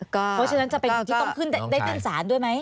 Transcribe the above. เพราะฉะนั้นจะเป็นที่ต้องขึ้นได้ขึ้นศาลด้วยไหม